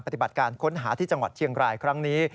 ปฏิบัติการค้นหาที่จังหวัดเชียงรายครั้งนี้